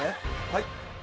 はい。